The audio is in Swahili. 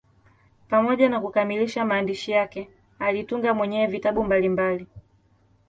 Pamoja na kukamilisha maandishi yake, alitunga mwenyewe vitabu mbalimbali.